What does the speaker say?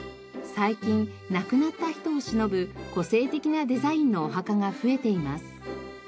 最近亡くなった人をしのぶ個性的なデザインのお墓が増えています。